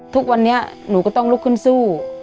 ทุกวันนี้หนูก็ต้องลุกขึ้นสู้